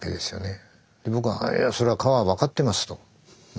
僕は「そりゃ川は分かってます」と。